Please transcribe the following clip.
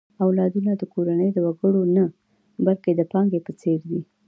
اولادونه د کورنۍ د وګړو نه، بلکې د پانګې په څېر دي.